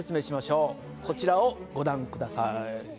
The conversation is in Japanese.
こちらをご覧下さい。